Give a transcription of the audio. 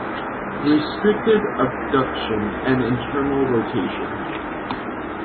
Restricted abduction and internal rotation.